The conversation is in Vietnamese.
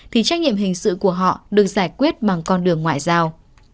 thì trách nhiệm hình sự của họ được giải quyết bằng con đường ngoại giao